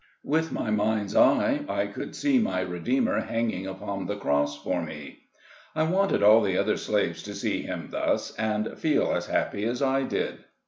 With my mind's eye, I could see my Redeemer hanging upon the cross for me. I wanted all the other slaves to see him thus, and feel as happy as I did.